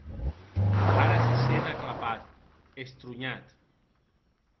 Ara se sent aclapat, estronhat.